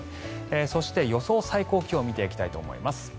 そして、予想最高気温を見ていきたいと思います。